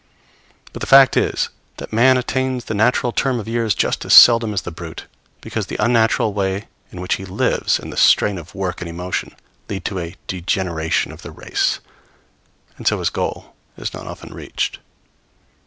But the fact is that man attains the natural term of years just as seldom as the brute; because the unnatural way in which he lives, and the strain of work and emotion, lead to a degeneration of the race; and so his goal is not often reached.